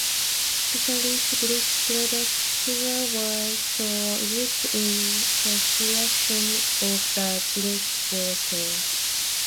Specialist bricks produced here were also used in construction of the breakwater.